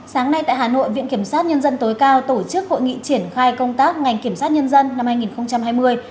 sáng nay tại hà nội viện kiểm sát nhân dân tối cao tổ chức hội nghị triển khai công tác ngành kiểm sát nhân dân năm hai nghìn hai mươi